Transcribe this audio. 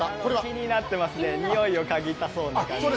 気になってますね、においをかぎたそうな感じで。